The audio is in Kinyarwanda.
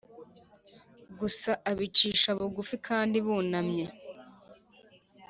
gusa abicisha bugufi kandi bunamye